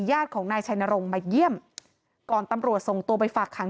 ญาติของนายชัยนรงค์มาเยี่ยมก่อนตำรวจส่งตัวไปฝากขัง